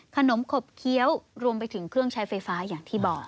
ขมขบเคี้ยวรวมไปถึงเครื่องใช้ไฟฟ้าอย่างที่บอก